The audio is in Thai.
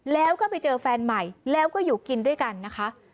แล้วก็ไปเจอแฟนใหม่แล้วก็อยู่กินด้วยกันนะคะ